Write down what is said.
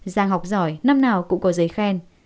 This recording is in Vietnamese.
giang học giỏi năm nào cũng có giấy khen